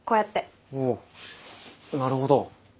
おおなるほど。